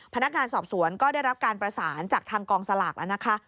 พนักงานสอบสวนก็ได้รับการประสานจากทางกองสลากแล้วนะคะ